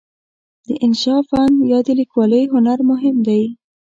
د انشأ فن یا د لیکوالۍ هنر مهم دی.